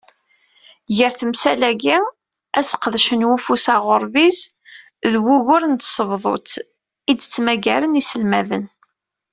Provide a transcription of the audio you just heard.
Gar temsal-agi, aseqdec n uwfus aɣurbiz, d wugur n tsebḍut i d-ttmaggaren yiselmaden.